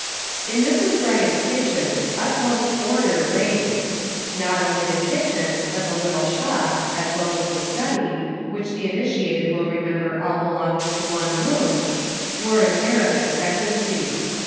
"TN Mrs. Bryant's kitchen utmost order reigned. ■ Not only the kitchen, but the little shop, as well as the study, which the initiated will remember all belonged to one room, wore an air of expectancy.